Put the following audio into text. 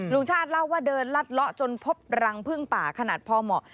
ลุงชาติเล่าว่าเดินลัดเลาะจนพบรังพึ่งป่าขนาดพอเหมาะ